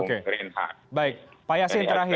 pak yasin terakhir